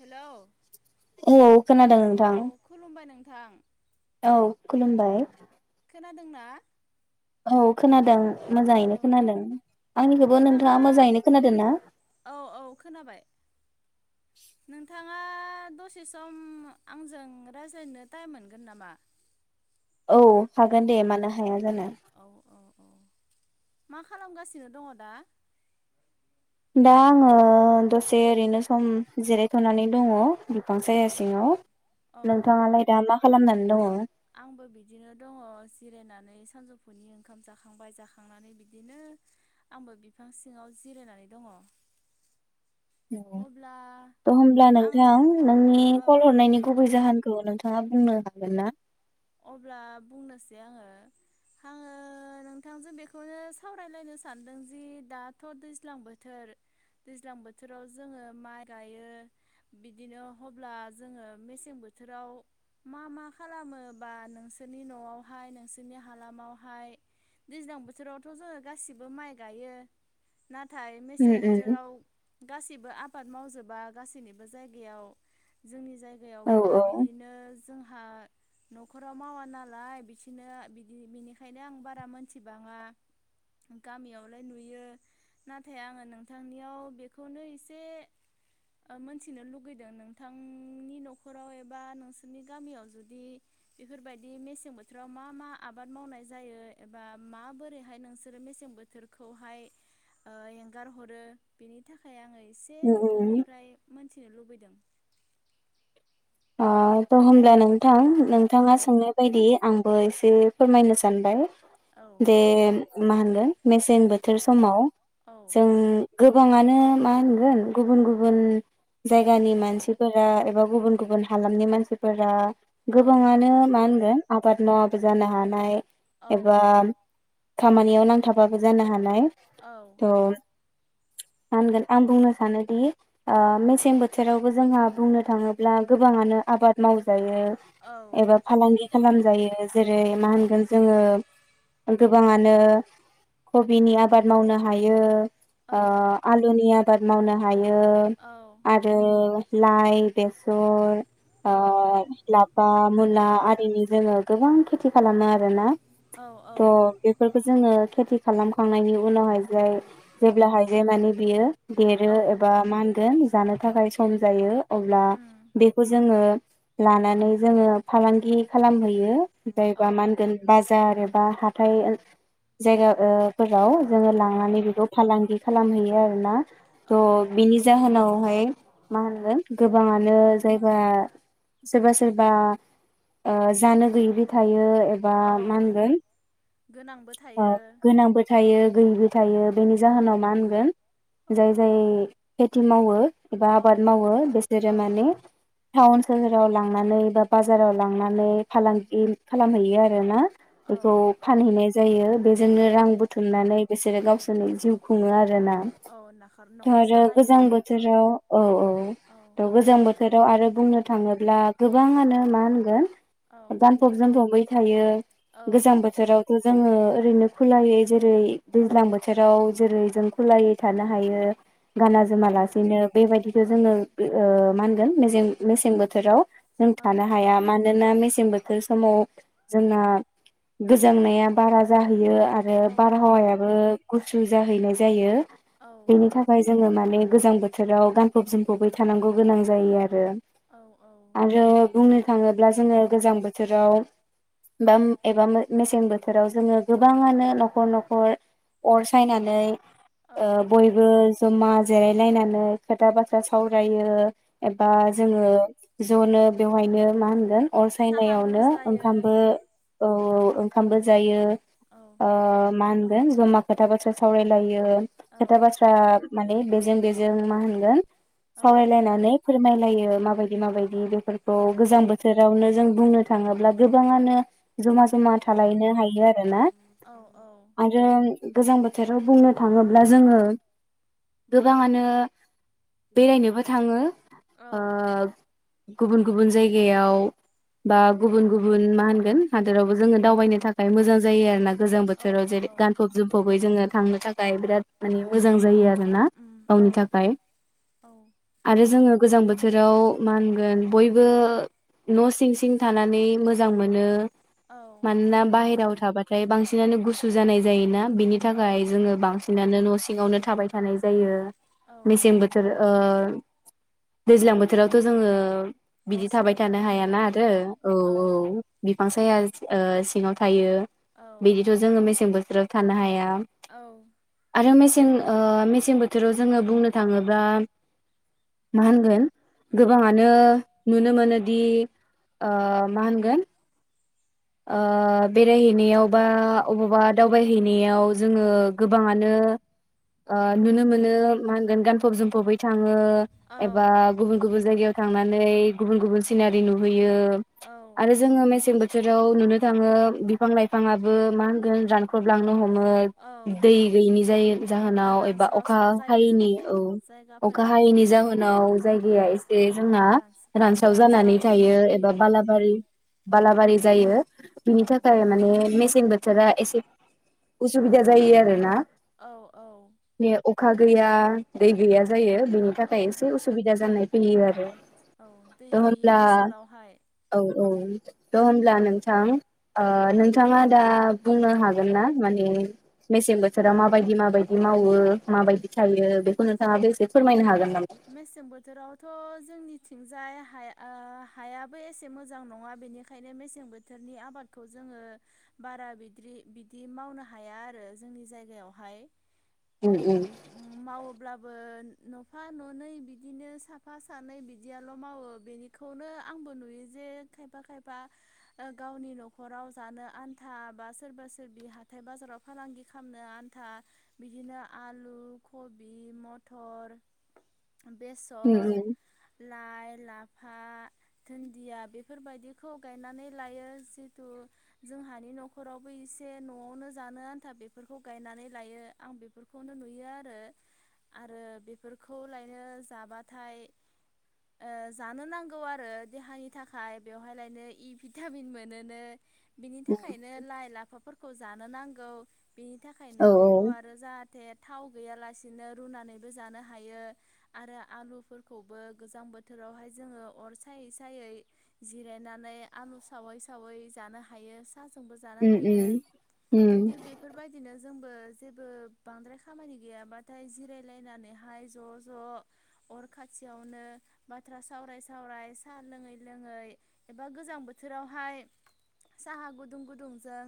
Hello औ खोनादों औ नोंथां खुलुमबाय नों थां औ खुलुमबाय खोनादोंना औ खोनादों। औ मोजाङैनो औ खोनादों आंनिखौबो नोंथाङा मोजाङैनो खोनादोंना? नोंथां नोंथाङा दसे सम आंजों रायज्लायनो टाइम मोनगोन नामा औ हागोन दे मानो हाया जानो औ औ अ मा खालामगासिनो दङ दा दा आङो दसे ओरैनो सम जिरायथ'नानै दङ बिफां औ साया सिङाव औ औ नोंथाङालाय दा मा खालामनानै दङ आंबो बिदिनो दङ जिरायनानै सानजौफुनि ओंखाम जाखांबाय जाखांनानै बिदिनो आंबो बिफां सिङाव जिरायनानै दङ अब्ला थ' होमब्ला आं नोंथां नोंनि कल औ हरनायनि गुबै जाहोनखौ नोंथां हा बुंनो हागोन ना अब्ला बुंनोसै आङो आङो नोंथांजों बेखौनो सावरायलायनो सानदों जि दाथ' दैज्लां बोथोर दैज्लां बोथोराव जोङो माइ गायो बिदिनो अब्ला जोङो मेसें बोथोराव मा मा खालामो बा नोंसोरनि न'आवहाय नोंसोरनि हालामावहाय दैज्लां बोथोरावथ' जोङो गासिबो माइ गायो नाथाय उम मेसें उम बोथोराव गासिबो आबाद मावजोबा गासैनिबो जायगायाव जोंनि जायगा औ जायगायावबो औ बिदिनो जोंहा न'खराव मावा नालाय बिदिनो बिदि बिनिखायनो आं बारा मोनथिबाङा गामियावलाय नुयो नाथाय आङो नोंथांनियाव बेखौनो एसे मोनथिनो लुगैदों नोंथांनि न'खराव एबा नोंसोरनि गामियाव जुदि बेफोरबायदि मेसें बोथोराव मा मा आबाद मावनाय जायो एबा माबोरैहाय नोंसोरो मेसें बोथोरखौहाय एंगार हरो बेनि थाखाय आङो एसे उम उम नोंथांनिफ्राय मोनथिनो लुबैदों आ थ' होमला न नोंथां औ नोंथाङा सोंनाय बायदि आं बेखौ एसे फोरमायनो सानबाय औ दे मा होनगोन मेसें बोथोर समाव औ जों गो गोबाङानो मा होनगोन गुबुन गुबुन रोख जायगानि मानसिफोर एबा गुबुन गुबुन हालामनि मानसिफोरा औ गोबाङानो मा होनगोन आबाद मावाबो जानो हानाय औ एबा खामानियाव नांथाबाबो जानो हानाय औ थ' होनगोन आं बुंनो सानोदि ओ मेसें बोथोरावबो जोंहा बुंनो थाङोब्ला गोबाङानो आबाद मावजायो। औ एबा फालांगि खालामजायो। जेरै मा होनगोन जोङो गोबाङानो कबिनि आबाद मावनो हायो। औ ओ आलुनिया आबाद मावनो हायो। यो आरो बिलाइ द' आ लाफा मुला आरिनि जोङो गोबां खेथि खालामो आरो ना। औ थ' बेफोरखौ जोङो खेथि खालामखांनायनि उनावहाय जाय जेब्लाहायजाय माने बियो। देरो औ एबा मा होनगोन। जानो थाखाय सम जायो अब्ला। उम बेखौ जोङो लानानै जोङो फालांगि खालामहैयो औ जायबा मा होनगोन बाजार बा हाथाय जायगा ओ फोराव जोङो औ लांनानै बेखौ फालांगि खालामहैयो आरोना। थ' औ औ बिनि जाहोनावहाय मा होनगोन उम गोबाङानो जायबा सोरबा सोरबा ओ जानो गैयैबो थायो। एबा औ मा होनगोन गोनांबो अ थायो गोनांबो थायो। गैयैबो थायो। बेनि जाहोनाव मा औ होनगोन जाय औ जाय खेथि मावोमोन। एबा औ आबाद मावो बेसोरो औ माने टाउन सोहोराव लांनानै बा बाजाराव लांनानै फालांगि खालामहैयो आरो ना। बेखौ औ फानहैनाय। जायो। बेजोंनो रां औ बुथुमनानै बिसोरो गावसोरनि जिउ खुङो आरोना औ नाखर थ' न'खर आरो सालायो गोजां बोथोराव औ औ थ' गोजां बोथोर आव आरो बुंनो थाङोब्ला गोबाङानो मा होनगोन औ गानफब-जोमफबै थायो औ गोजां बोथोरावथ' जोङो ओरैनो खुलायै जेरै दैज्लां बोथोराव जेरै जों खुलायै थानो हायो औ गाना जोमा लासिनो बेबायदिखौ जोङो ओ माहोनगोन मेजें मेसें बोथोराव जों औ थानो हाया मानोना मेसें समाव बोथोर समाव जोंना गोजांनाया बारा जाहैयो। आरो औ बारहावायाबो गुसु जाहैनाय जायो। बेनि थाखाय जोङो माने माने गोजां बोथोराव गानफब जोमफबै थानांगौ गोनां जायो आरो। आरो औ आरो बुंनो थाङोब्ला ब्ला जोङो गोजां बोथोराव बा एबा मेसें बोथोराव जोङो गोबाङानो न'खर न'खर अर सायनानै औ ओ बयबो जमा जिरायलायनानै खोथा बाथ्रा सावरायो औ बा जोङो ज'नो बेवहायनो मा होनगोन। अर साहा सायनायावनो लोंज्लायो ओंखामबो औ औ औ ओंखामबो जायो औ ओ मा जमा खोथा बाथ्रा सावरायलायो औ खोथा बाथ्रा माने जों बेजों मा होनगोन। औ सावरायलायनानै खायलायो माबायदि माबायदि बे फोरखौ औ गोजां बोथोरावनो जों बुंनो थाङोब्ला गोबाङानो जमा उम जमा थालायनो हायो आरो ना औ औ आरो गोजां बोथोर बोथोराव बुंनो थाङोब्ला जोङो गोबाङानो बेरायनोबो थाङो। आ गुबुन गुबुन जायगायाव बा गुबुन गुबुन मा होनगोन हादोरावबो जोङो दावबायनो थाखाय मोजां जायो आरोना गोजां औ बोथोराव जेरै गानफब जोमफबै जोङो थांनो थाखाय बिराद माने मोजां जायो आरो उम औ गावनि थाखाय आरो जोङो गोजां बोथोराव मा होनगोन बयबो न' सिं सिं थानानै मोजां मोनो। मानोना बाहेराव थाबाथाय बांसिनानो गुसु जानाय जायोना बिनि औ थाखाय जोङो बांसिन बिनानो न' सिङावनो थाबाय थानाय जायो औ औ मेसें बोथोर ओ दैज्लां बोथोरावथ' जोङो न' बिदि सिङाव थाबाय थानो हाया हायाना आरो औ औ बांसाया ओ सिङाव थायो औ बिदिथ' जोङो मेसें बोथोराव थानो हाया औ आरो मेसें सें ओ मेसें बोथोराव जोङो बुंनो थाङोब्ला माहोनगोन उम गोबाङानो नुनो मोनो बिदि ओ मा होनगोन ओ बेरायहैनायाव बा अबावबा दावबायहैनायाव जोङो गोबाङानो ओ नुनो मोनो मा होनगोन गानफब जोमफबै थां ओ औ एबा गुबुन गुबुन जायगायाव थांनानै गुबुन गुबुन सिनारि नुहैयो यो औ आरो जोङो मेसें बोथो थोराव नुनो थाङो बिफां लाइफाङाबबो मा होनगोन रान खख्रबलांनो हमो औ दै गैयिनि जाय जाहोनाव एबा अखा रानस्रावस्राव जायो हायैनि औ अखा जायगाफोरा हायैनि जाहोनाव जायगाया एसे जोंना रानस रानसाव जानानै रानस्राव थायो एबा फैयो बालाबारि बलााबारि जायो बिनि औ थाखाय माने मेसे सें बोथोरा एसे उसुबिदा जायो आरो ना औ औ अखा गैया दै गैया जायो बेनि औ थाखाय एसे उसुबिदा जानाय फैयो आरो औ दै थ' गैयि ओनसोलावहाय द [unintelligible] औ नोंथां ओ औ नोंथाङा दा बुंनो हागोन ना माने मेसें बोथोराव माबायदि माबायदि मावो माबायदि थायो बेखौ नोंथाङा बेसे औ मेसें बोथोरावथ' जोंनि थिंजाय हाया ओ हायाबो एसे मोजां नङा बेनिखायनो मेसें बोथोरनि आबादखौ जोङो बारा बिदि बिदि मावनो हाया आरो जोंनि जायगायावहाय उम उम मावोब्लाबो न'फा न'नै बिदिनो साफा सानै बिदियाल' मावो बेनिखौनो आंबो नुयो जे खायफा खायफा गावनि न'खराव जानो आन्था बा सोरबा सोरबि हाथाय बाजाराव फालांगि खालामनो आन्था बिदिनो आलु कबि मथर [inaudible] बेसर लाइ लाफा दुन्दिया बेफोरबायदिखौ गायनानै लायो जितु जोंहानि न'खरावबो एसे न'आवनो जानो आन्था बेफोरखौ गायनानै लायो आं बेफोरखौनो नुयो आरो आरो बे बेफोरखौ लायनो जाबाथाय ओ जानो नांगौ आरो देहानि थाखाय बेवहाय लायनो इ भिटामिन मोनोनो। बिनि थाखायनो लाइ लाफा फोरखौ जानो नांगौ। बेनि औ थाखायनो बेखौ आरो जा थे थाव गैयालासिनो रुनानैबो जानो हायो आरो आलुफोरखौबो गोजां बोथोरावहाय जोङो अर सायै सायै जिरायनानै आलु सावै सावै जानो हायो। थाजोंबो जानो उम हायो उम उम थिग बेफोरबायदिनो जोंबो जेबो बांद्राय खामानि गैयाबाथाय जिरायलायनानै बाहाय ज' ज' अर खाथियावनो बाथ्रा सावराय सावराय साहा लोङै लोङै एबा गोजां बोथोरावहाय साहा गुदुं गुदुंजों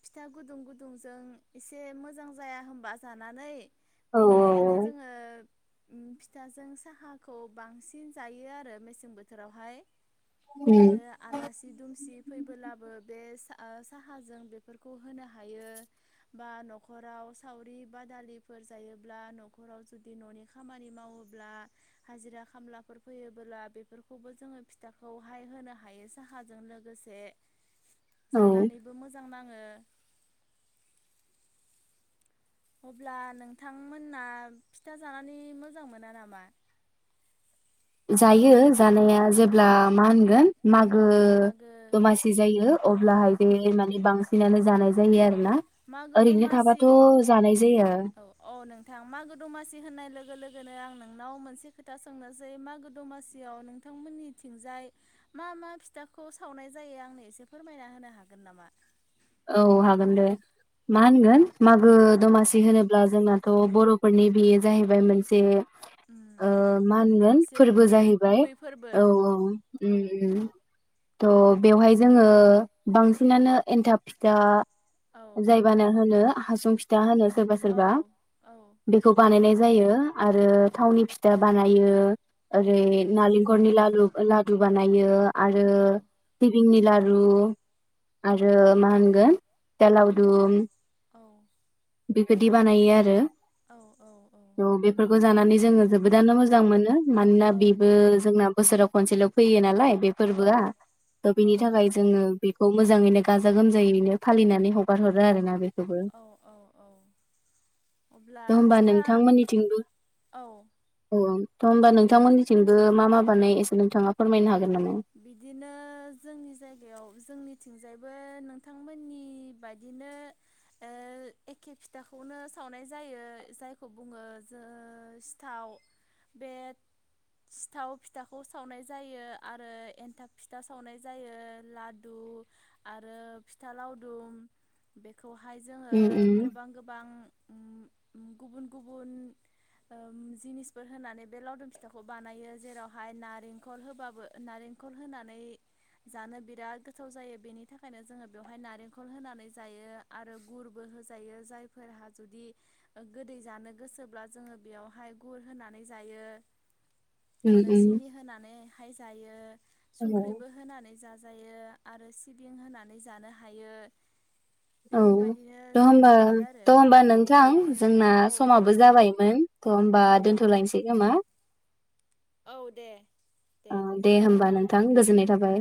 फिथा गुदुं गुदुंजों एसे मोजां जाया होनबा जानानै औ बेनिखायनो औ जोङो उम फिथाजों साहाखौ बांसिन जायो आरो मेसें बोथोरावहाय उम आरो आलासि दुमसि फैबोब्लाबो बे आ साहाजों बेफोरखौ होनो हायो बा न'खराव सावरि बादालिफोर जायोब्ला न'खराव जु दि न'नि खामानि मावोब्ला हाजिरा खामलाफोर फैयोबोला बेफोरखौबो जोङो फिथाखौहाय होनो हायो साहाजों लोगोसे औ जानानैबो मोजां नाङो। अब्ला नोंथांमोनना फिथा जानानै मोजां मोना नामा? जायो जानाया जेब्ला मा होनगोन। मागो औ मागो दमासि जायो औ अब्लाहाय बे माने बांसिन [unintelligible] औ मागो थाबाथ' दासि जानाय जायो औ औ नोंथां मागो दमासि होननाय लोगो लोगो लोगोनो आं नोंनाव मोनसे खोथा सोंनोसै मागो दमासियाव नोंथांमोननिथिंजाय मा मा फिथाखौ सावनाय जायो आंनो एसे फोरमायना होनो हागोन नामा? औ हागोन दे। मा औ होनगोन मागो दमासि होनोब्ला जोंनाथ' बर'फोरनि बेयो जाहैबाय मोनसे ओ उम मा होनगोन मोनसे फोरबो जाहैबाय गुबै फोरबो औ औ उम औ उम तह बेवहाय जोङो बांसिनानो एनथाब फिथा औ जायबानो होनो हासुं फिथा होनोनो सोरबा औ सोरबा औ बेखौ बानायनाय जायो। आरो थावनि फिथा बानायो। औ ओरै नालेंखरनि लारु लादु बानायो आरो औ सिबिंनि ला रु आरो मा होनगोन फिथा औ लावदुम औ बेबायदि बानायो आरो औ औ बेफोरखौ जानानै जोङो जोबोदानो मोजां मोनो मानोना बेबो जोंना बोसोराव खनसेल' फैयो नालाय बे फोरबोआ थ औ बेनि थाखाय जोङो बेखौ मोजाङैनो गाजा गोमजायैनो फालिनानै हगार हरो आरोना बे औ औ औ होनबा नोंथांमोननिथिंबो औ औ थ' होमबा नोंथांमोननिथिंबो मा मा बानाय एसे नोंथाङा फोरमायनो हागोन नामा बिदिनो जोंनि जायगायाव जोंनिथिंजायबो नोंथांमोननि बादिनो ओ एखे फिथाखौनो सावनाय जायो जायखौ बुङो जों ओसिथाव बे ओ एनथाब फिथा सावनाय जायो लादु आरो फिथा लावदुम बेख खौहाय जोङो उम उम गोबां गोबां ओ ओ गुबुन गुबुन जिनिसफोर होनानै बे लावदुम फिथाखौ बानायो जेरावहाय नारेंखल होबाबो नारेंखल होनानै जानो बिराद गोथाव जायो बेनि थाखायनो जोङो बेवहाय नारेंखल होनानै जायो आरो गुरबो होजायो जायफोरहा जुदि गोदै जानो गोसोब्ला जोङो बेयावहाय गुर होनानै जायो उम आरो उम सिनि होनानै हाय ओ संख्रिबो होनानै जाजायो आरो सिबिं होनानै जानो हायो औ बेफोरबायदिनो दा जोङो होनबा जायो थ आरो होनबा नोंथां जोंना औ समाबो जाबायमोन बा औ दोनथ'लायसै नामा औ दे ओ दे होमबा नोंथां गोजोननाय औ थाबाय